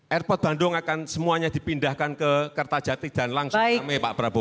airport bandung akan semuanya dipindahkan ke kerta jati dan langsung sampai pak prabowo